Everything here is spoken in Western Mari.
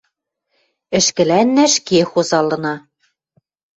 Ӹшкӹлӓннӓ ӹшке хоза ылына.